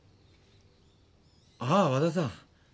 ああ和田さん。